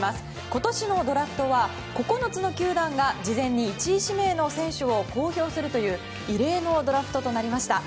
今年のドラフトは９つの球団が事前に１位指名の選手を公表するという異例のドラフトとなりました。